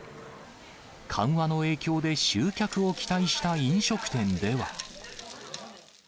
緩和の影響で集客を期待した飲食店では。